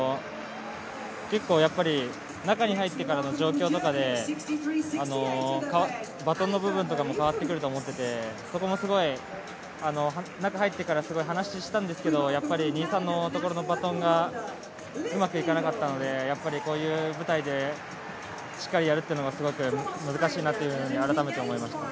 中に入ってからの状況とかでバトンの部分とかも変わってくると思っててそこもすごい、中に入ってから、話をしたんですけど、やっぱり２、３のところのバトンがうまくいかなかったのでこういう舞台でしっかりやるというのがすごく難しいなと改めて思いました。